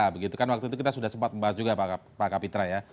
begitu kan waktu itu kita sudah sempat membahas juga pak kapitra ya